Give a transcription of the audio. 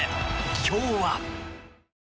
今日は。